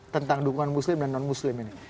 tentang dukungan muslim dan non muslim ini